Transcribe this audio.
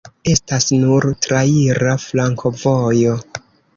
Estas nur traira flankovojo.